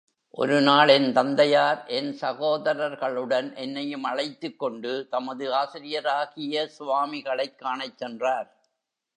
ஒரு நாள் என் தந்தையார் என் சகோதரர்களுடன் என்னையும் அழைத்துக் கொண்டு, தமது ஆசிரியராகிய சுவாமிகளைக் காணச் சென்றார்.